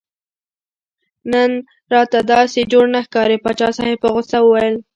نن راته داسې جوړ نه ښکارې پاچا صاحب په غوسه وویل.